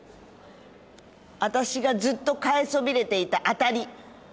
私がずっと替えそびれていた当たり。